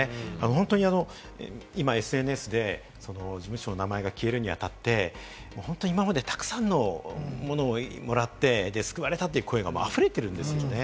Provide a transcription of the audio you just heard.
本当に今、ＳＮＳで事務所の名前が消えるにあたって、本当に今までたくさんのものをもらって、救われたという声があふれているんですよね。